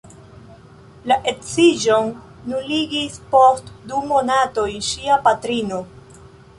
La geedziĝon nuligis post du monatoj ŝia patrino.